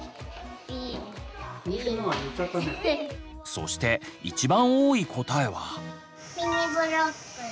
そして一番多い答えは？